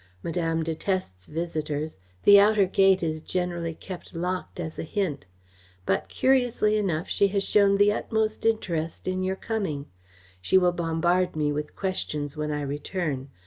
Madame detests visitors the outer gate is generally kept locked as a hint but curiously enough, she has shown the utmost interest in your coming. She will bombard me with questions when I return.